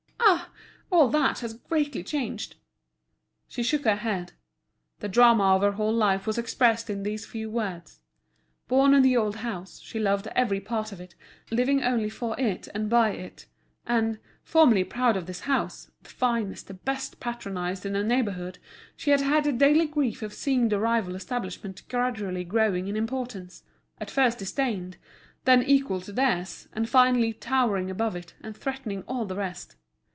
Ah! all that has greatly changed!" She shook her head; the drama of her whole life was expressed in these few words. Born in the old house, she loved every part of it, living only for it and by it; and, formerly proud of this house, the finest, the best patronised in the neighbourhood, she had had the daily grief of seeing the rival establishment gradually growing in importance, at first disdained, then equal to theirs, and finally towering above it, and threatening all the rest.